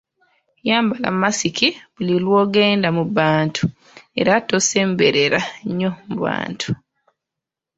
Yambala masiki yo buli lw’ogenda mu bantu era tosemberera nnyo bantu.